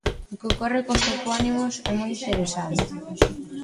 O que ocorre cos topónimos é moi interesante.